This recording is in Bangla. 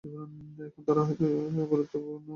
এখন তারা হয়তো গুরুত্ব পাওয়ার মতো কিছু করবে।